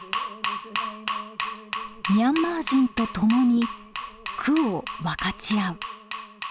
ミャンマー人と共に苦を分かち合う。